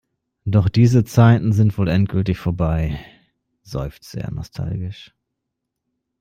Doch diese Zeiten sind wohl endgültig vorbei, seufzte er nostalgisch.